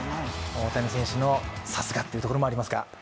大谷選手のさすがというところもありますが。